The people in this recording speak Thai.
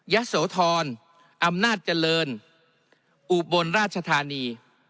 ยะโสธรอำนาจเจริญอุบลราชธานี